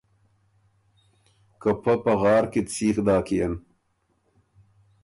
که پۀ پغار کی ت سیخ داکيېن۔